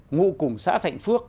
ngụ cùng xá thạnh phước